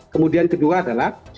kemudian kedua adalah